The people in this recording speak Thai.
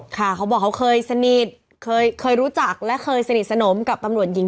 เขาบอกเขาเคยสนิทเคยรู้จักและเคยสนิทสนมกับตำรวจหญิง